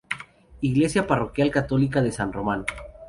Iglesia parroquial católica de San Román.